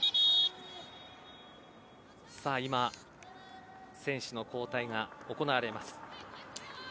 今選手の交代が行われます。